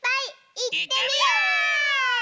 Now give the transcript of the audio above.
いってみよ！